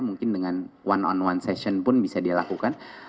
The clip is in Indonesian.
mungkin dengan one on one session pun bisa dia lakukan